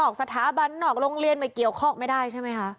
สถาบันนอกโรงเรียนไม่เกี่ยวข้องไม่ได้ใช่ไหมคะ